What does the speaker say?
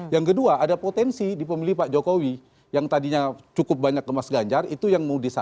yang kedua ada potensi di pemilih pak jokowi yang tadinya cukup banyak ke mas ganjar itu yang mau disampaikan